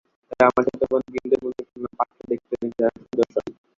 তবে আমার ছোট বোন বিন্দুর মুখে শুনলাম পাত্র দেখতেও নাকি দারুণ সুদর্শন।